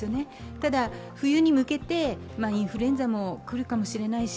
ただ、冬に向けてインフルエンザも来るかもしれないし